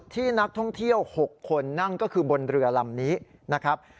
ที่นักท่องเที่ยว๖คนนั่งก็คือบนเรือลำนี้นะครับ